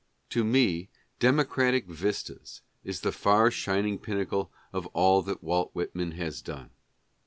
To me " Democratic Vistas " is the far shining pinnacle of all that Walt Whitman has done.